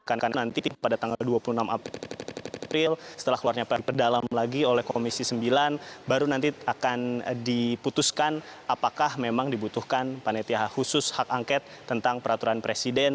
karena nanti pada tanggal dua puluh enam april setelah keluarnya perdalam lagi oleh komisi sembilan baru nanti akan diputuskan apakah memang dibutuhkan panitia khusus hak angket tentang peraturan presiden